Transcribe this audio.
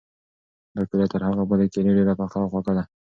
دا کیله تر هغې بلې کیلې ډېره پخه او خوږه ده.